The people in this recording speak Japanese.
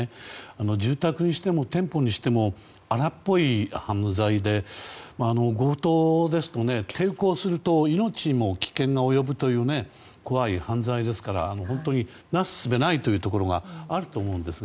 住宅にしても店舗にしても荒っぽい犯罪で強盗ですと抵抗すると命にも危険が及ぶという怖い犯罪ですから、本当になすすべがないというところがあると思うんですが。